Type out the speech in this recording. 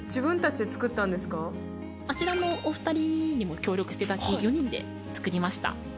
あちらのお二人にも協力していただき４人で作りました。